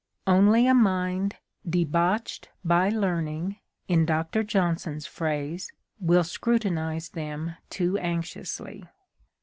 Only a mind "debauched by learning" (in Doctor Johnson's phrase) will scrutinize them too anxiously.